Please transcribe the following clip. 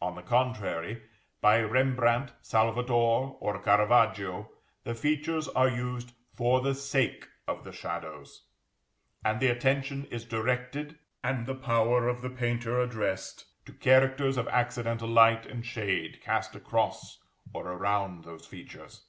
On the contrary, by Rembrandt, Salvator, or Caravaggio, the features are used for the sake of the shadows; and the attention is directed, and the power of the painter addressed to characters of accidental light and shade cast across or around those features.